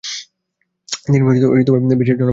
তিনি বিশেষ জনপ্রিয়তা পেয়েছিলেন।